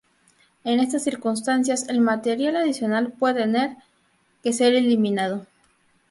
En estas circunstancias, el material adicional puede tener que ser eliminado.